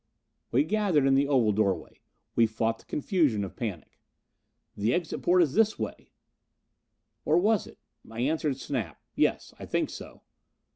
We gathered in the oval doorway. We fought the confusion of panic. "The exit port is this way." Or was it? I answered Snap, "Yes, I think so."